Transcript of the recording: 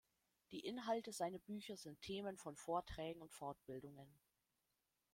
Die Inhalte seiner Bücher sind Themen von Vorträgen und Fortbildungen.